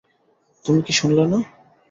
তুমি কি শুনলে না?